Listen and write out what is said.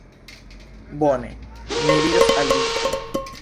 Bone, mi diros al vi.